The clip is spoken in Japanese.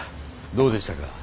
どうでしたか？